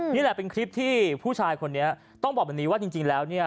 นี่แหละเป็นคลิปที่ผู้ชายคนนี้ต้องบอกแบบนี้ว่าจริงแล้วเนี่ย